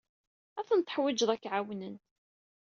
Ad ten-teḥwijeḍ ad k-ɛawnen.